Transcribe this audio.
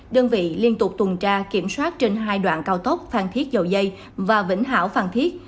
đơn vị liên tục tuần tra kiểm soát trên hai đoạn cao tốc phan thiết dầu dây và vĩnh hảo phan thiết